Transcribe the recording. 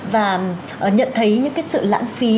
và nhận thấy những cái sự lãng phí